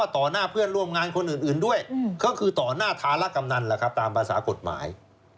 ต่อหน้าเพื่อนร่วมงานคนอื่นด้วยก็คือต่อหน้าธาระกำนันแหละครับตามภาษากฎหมาย